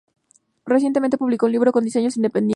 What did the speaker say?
Recientemente publicó un libro con diseños independientes.